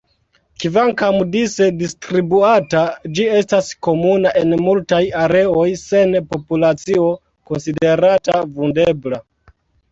Kvankam dise distribuata, ĝi estas komuna en multaj areoj, sen populacio konsiderata vundebla.